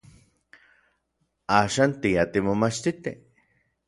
Axan tia timomachtiti.